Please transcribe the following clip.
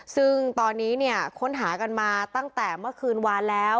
ซึ่งตอนนี้เนี่ยค้นหากันมาตั้งแต่เมื่อคืนวานแล้ว